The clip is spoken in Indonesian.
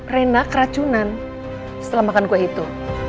renak racunan setelah makan kue itu